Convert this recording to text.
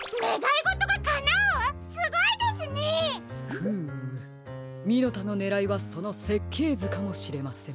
フームミノタのねらいはそのせっけいずかもしれません。